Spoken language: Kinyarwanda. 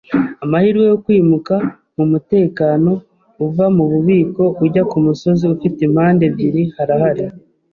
amahirwe yo kwimuka mumutekano uva mububiko ujya kumusozi ufite impande ebyiri, harahari